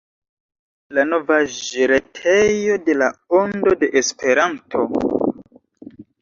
La novaĵretejo de La Ondo de Esperanto.